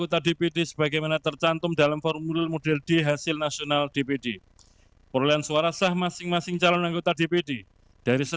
tiga belas partai perumahan perolehan suara sah enam ratus empat puluh dua lima ratus empat puluh lima suara